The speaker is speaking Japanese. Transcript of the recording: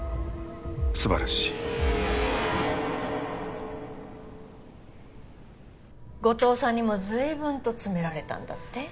素晴らしい後藤さんにも随分と詰められたんだって？